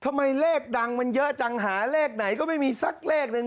ทำไมเลขดังมันเยอะจังหาเลขไหนก็ไม่มีสักเลขหนึ่ง